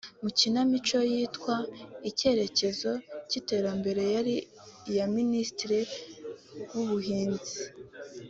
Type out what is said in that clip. Mu ikinamico yitwa ‘Icyerekezo cy’iterambere’ yari iya Minisiteri y’Ubuhinzi